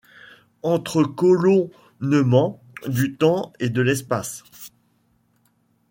Entrecolonnement du temps et de l’espace